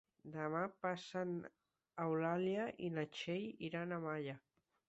Demà passat n'Eulàlia i na Txell iran a Malla.